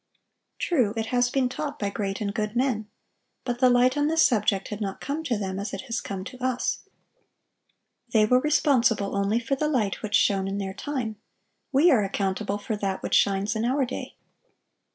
True, it has been taught by great and good men; but the light on this subject had not come to them as it has come to us. They were responsible only for the light which shone in their time; we are accountable for that which shines in our day.